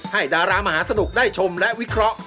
ดารามหาสนุกได้ชมและวิเคราะห์